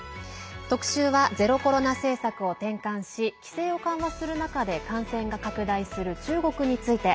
特集はゼロコロナ政策を転換し規制を緩和する中で感染が拡大する中国について。